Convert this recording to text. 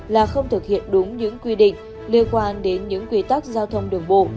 là không thực hiện đúng những quy định liên quan đến những quy tắc giao thông đường bộ